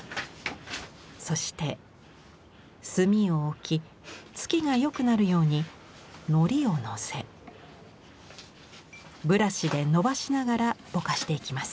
そして墨を置き付きがよくなるようにノリをのせブラシでのばしながらぼかしていきます。